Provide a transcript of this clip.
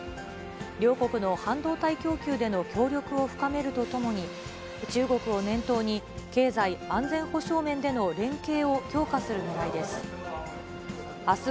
両国の半導体供給での協力を深めるとともに、中国を念頭に、経済安全保障面での連携を強化するねらいです。